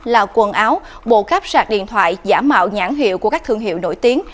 là quần áo bộ cáp sạc điện thoại giả mạo nhãn hiệu của các thương hiệu nổi tiếng